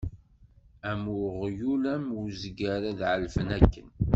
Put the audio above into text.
Am uɣyul, am uzger, ad ɛelfen akken.